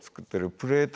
プレート？